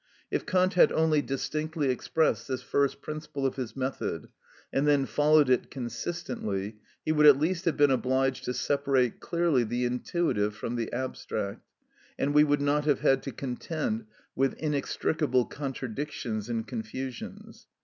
If Kant had only distinctly expressed this first principle of his method, and then followed it consistently, he would at least have been obliged to separate clearly the intuitive from the abstract, and we would not have had to contend with inextricable contradictions and confusions.